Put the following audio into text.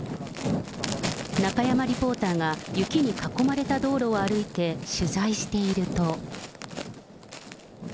中山リポーターが雪に囲まれた道路を歩いて取材していると。